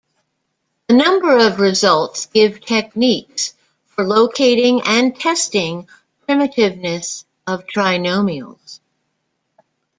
A number of results give techniques for locating and testing primitiveness of trinomials.